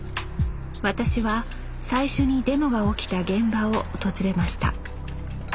私は最初にデモが起きた現場を訪れました。